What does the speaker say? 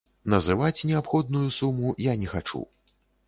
Называць неабходную суму я не хачу.